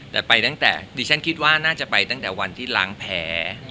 แต่ไปตั้งแต่ดิฉันคิดว่าน่าจะไปตั้งแต่วันที่ล้างแผล